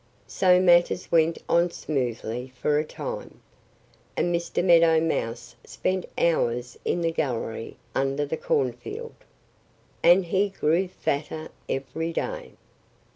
So matters went on smoothly for a time. And Mr. Meadow Mouse spent hours in the gallery under the cornfield. And he grew fatter every day.